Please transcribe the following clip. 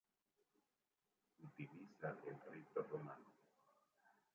Utiliza el rito romano.